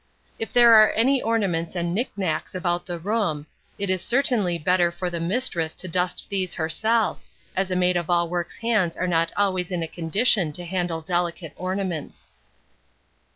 If there are many ornaments and knick knacks about the room, it is certainly better for the mistress to dust these herself, as a maid of all work's hands are not always in a condition to handle delicate ornaments.